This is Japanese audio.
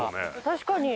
確かに。